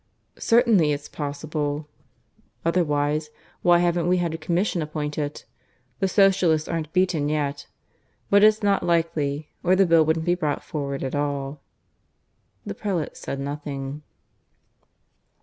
"Certainly it's possible. Otherwise, why haven't we had a Commission appointed? The Socialists aren't beaten yet. But it's not likely; or the Bill wouldn't be brought forward at all." The prelate said nothing.